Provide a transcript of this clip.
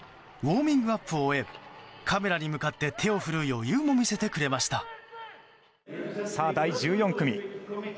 ウォーミングアップを終えカメラに向かって手を振る余裕も見せてくれました。